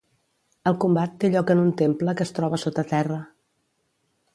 El combat té lloc en un temple que es troba sota terra.